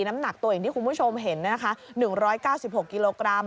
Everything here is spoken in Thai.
น้ำหนักตัวอย่างที่คุณผู้ชมเห็นนะคะ๑๙๖กิโลกรัม